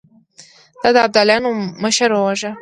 تا د ابداليانو مشر وواژه!